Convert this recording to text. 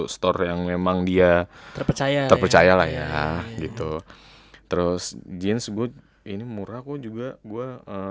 store yang memang dia terpercaya terpercaya lah ya gitu terus jeans good ini murah kok juga gue